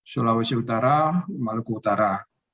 sulawesi utara maluku utara